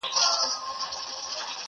o يو په ست ښه ايسي، بل په ننگ!